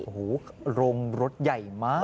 โอ้โหโรงรถใหญ่มาก